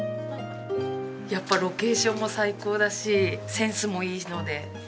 やっぱロケーションも最高だしセンスもいいので。